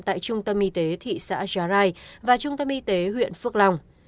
tại trung tâm y tế thị xã già rai và trung tâm y tế huyện phước long